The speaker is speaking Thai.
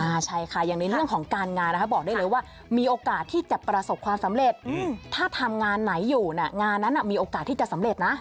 ใช่ค่ะอย่างในเรื่องของการงานนะคะบอกได้เลยว่ามีโอกาสที่จะประสบความสำเร็จถ้าทำงานไหนอยู่เนี่ยงานนั้นมีโอกาสที่จะสำเร็จนะ